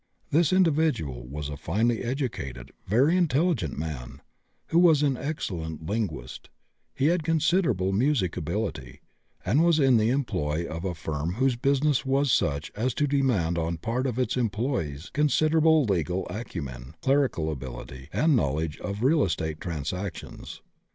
This individual was a finely educated, very intelligent man, who was an excellent linguist, had considerable musical ability, and was in the employ of a firm whose business was such as to demand on the part of its employés considerable legal acumen, clerical ability, and knowledge of real estate transactions.